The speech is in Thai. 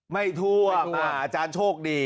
ไม่ท่วมอาจารย์โชคดี